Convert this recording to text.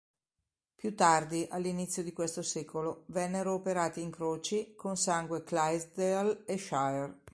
Più tardi, all'inizio di questo secolo, vennero operati incroci con sangue Clydesdale e Shire.